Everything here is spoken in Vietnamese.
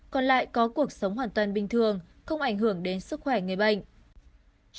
còn lại có cuộc sống hoàn toàn bình thường không ảnh hưởng đến sức khỏe người bệnh